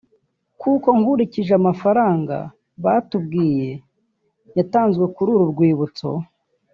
kuko nkurikije amafaranga batubwiye yatanzwe kuri uru rwibutso